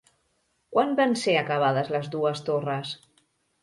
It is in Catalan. Quan van ser acabades les dues torres?